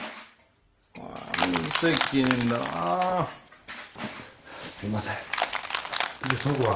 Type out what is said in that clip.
無責任だなあすみませんでその子は？